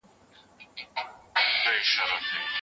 اوسني دولتونه په اقتصاد کې مهم سهم لري.